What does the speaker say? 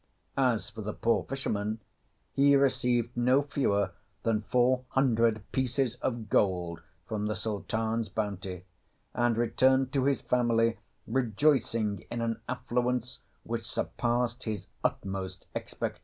As for the poor fisherman, he received no fewer than four hundred pieces of gold from the Sultan's bounty, and returned to his family rejoicing in an affluence which surpassed his utmost expectations.